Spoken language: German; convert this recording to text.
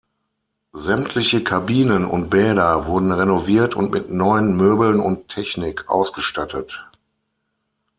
Sämtliche Kabinen und Bäder wurden renoviert und mit neuen Möbeln und Technik ausgestattet.